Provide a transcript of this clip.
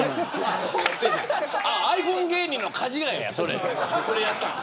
ｉＰｈｏｎｅ芸人のかじがややそれやったの。